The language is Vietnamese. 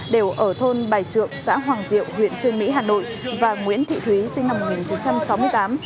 đều ở thôn bài trượng xã hoàng diệu huyện trương mỹ hà nội và nguyễn thị thúy sinh năm một nghìn chín trăm sáu mươi tám